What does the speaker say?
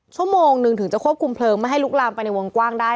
ชั่วโมงหนึ่งถึงจะควบคุมเพลิงไม่ให้ลุกลามไปในวงกว้างได้